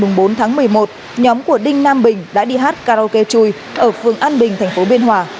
trong đêm một mươi bốn tháng một mươi một nhóm của đinh nam bình đã đi hát karaoke chui ở phường an bình thành phố biên hòa